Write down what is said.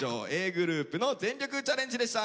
ｇｒｏｕｐの全力チャレンジでした。